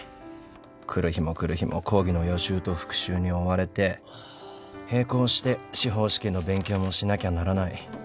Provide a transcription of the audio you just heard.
来る日も来る日も講義の予習と復習に追われて並行して司法試験の勉強もしなきゃならない。